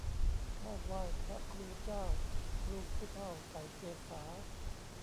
ข้าไหว้พระครูเจ้า ครูผู้เฒ่าใส่เกศา